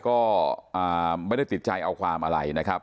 ก็ไม่ได้ติดใจเอาความอะไรนะครับ